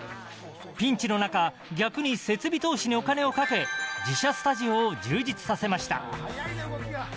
ピンチ中逆に設備投資お金をかけ自社スタジオを充実させました。